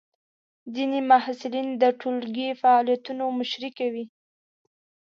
ځینې محصلین د ټولګی فعالیتونو مشري کوي.